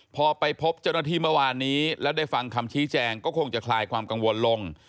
พอไปพบเจ้าหน้าที่เมื่อวานนี้แล้วได้ฟังคำชี้แจงก็คงจะคลายความกังวลลง